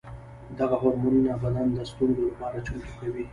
دغه هورمونونه بدن د ستونزو لپاره چمتو کوي.